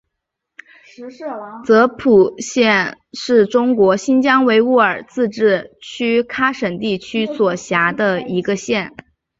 泽普县是中国新疆维吾尔自治区喀什地区所辖的一个县。